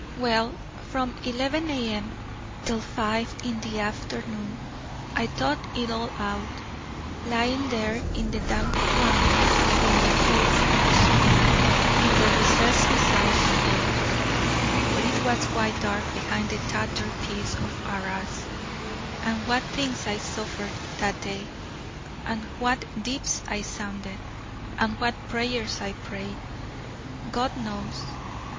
Well, from 11 A.M. till five in the afternoon, I thought it all out, lying in the damp flannels on my face on the sofa in the recess beside my bed, where it was quite dark behind the tattered piece of arras: and what things I suffered that day, and what deeps I sounded, and what prayers I prayed, God knows.